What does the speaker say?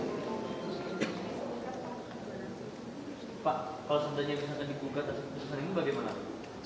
pak kalau sebenarnya bisa digugat keputusan ini bagaimana